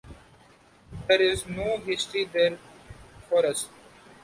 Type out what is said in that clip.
There is no history there for us.